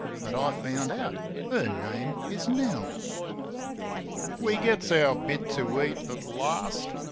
But I found out her name is Nell.) We gets our bit to eat at last.